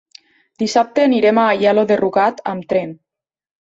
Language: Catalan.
Dissabte anirem a Aielo de Rugat amb tren.